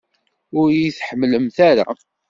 Ur iyi-tḥemmlemt ara!